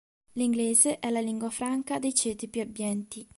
L'inglese è la lingua franca dei ceti più abbienti.